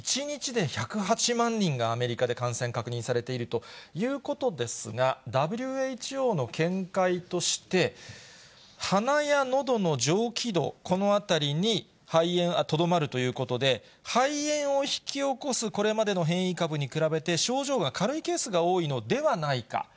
１日で１０８万人がアメリカで感染確認されているということですが、ＷＨＯの見解として、鼻やのどの上気道、この辺りにとどまるということで、肺炎を引き起こす、これまでの変異株に比べて、症状が軽いケースが多いのではないか。